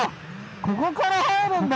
ここから入るんだ！